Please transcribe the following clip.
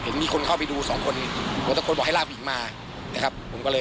นี่ครับ